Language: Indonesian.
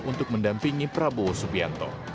untuk mendampingi prabowo subianto